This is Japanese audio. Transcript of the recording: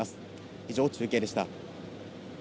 以上、中継でした。